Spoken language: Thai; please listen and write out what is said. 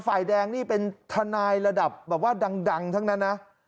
ฝ่ายแดงนี่เป็นทนายระดับแบบว่าดังทั้งนั้นนะ